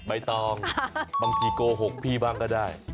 ใบตองบางทีโกหกพี่บ้างก็ได้